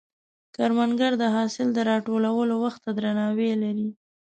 کروندګر د حاصل د راټولولو وخت ته درناوی لري